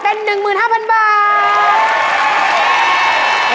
เป็น๑๕๐๐๐บาท